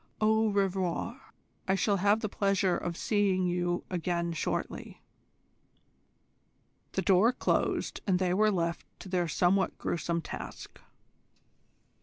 Au revoir. I shall have the pleasure of seeing you again shortly." The door closed, and they were left to their somewhat gruesome task.